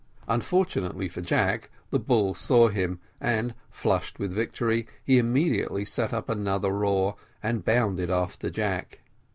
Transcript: Unfortunately for Jack, the bull saw him, and, flushed with victory, he immediately set up another roar, and bounded after Jack.